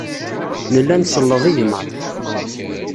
Nella nselleḍ igmaḍ.